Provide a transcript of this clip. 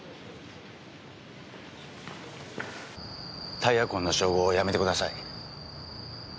タイヤ痕の照合をやめてください。